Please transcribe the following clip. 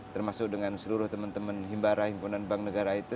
termasuk dengan seluruh teman teman himbara himpunan bank negara itu